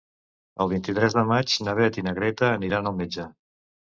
El vint-i-tres de maig na Beth i na Greta aniran al metge.